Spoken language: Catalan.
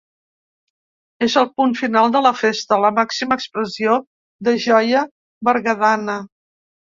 És el punt final de la festa, la màxima expressió de joia berguedana.